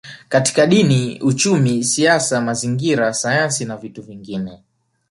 Katika Dini Uchumi Siasa Mazingira Sayansi na vitu vingine